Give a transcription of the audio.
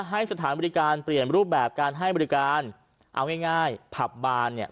ให้สถานบริการเปลี่ยนรูปแบบการให้บริการเอาง่ายง่ายผับบานเนี่ย